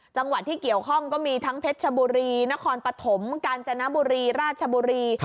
จังหวัดที่เกี่ยวข้องก็มีทั้งเพชรชบุรีนครปฐมกาญจนบุรีราชบุรี